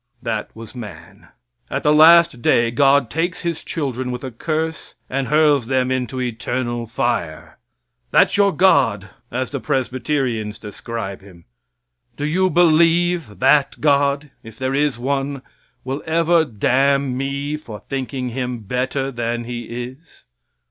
That was man. At the last day God takes His children with a curse and hurls them into eternal fire. That's your God as the Presbyterians describe Him. Do you believe that God if there is one will ever damn me for thinking Him better than He is?